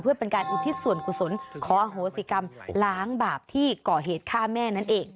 เพื่อเป็นการอุทิศส่วนกุศลขออโหสิกรรมล้างบาปที่ก่อเหตุฆ่าแม่นั่นเอง